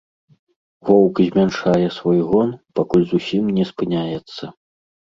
Воўк змяншае свой гон, пакуль зусім не спыняецца.